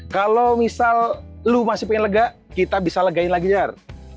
kalau misal lo masih pengen lega kita bisa legain lagi jar